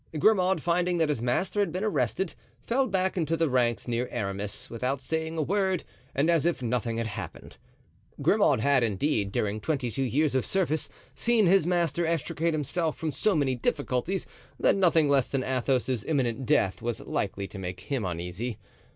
Grimaud, finding that his master had been arrested, fell back into the ranks near Aramis, without saying a word and as if nothing had happened. Grimaud had, indeed, during twenty two years of service, seen his master extricate himself from so many difficulties that nothing less than Athos's imminent death was likely to make him uneasy.